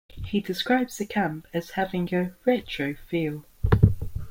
He describes the camp as having a "retro" feel.